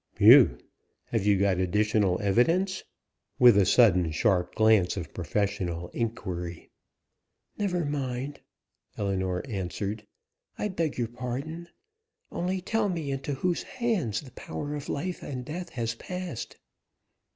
"Whew! Have you got additional evidence?" with a sudden sharp glance of professional inquiry. "Never mind," Ellinor answered. "I beg your pardon ... only tell me into whose hands the power of life and death has passed."